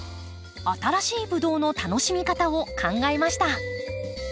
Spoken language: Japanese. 新しいブドウの楽しみ方を考えました。